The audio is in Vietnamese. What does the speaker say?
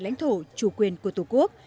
lãnh đạo của việt nam